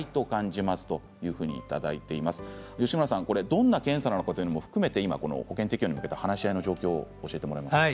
どんな検査なのかというのも含めて保険適用に向けた話し合いの状況を教えてもらいますか。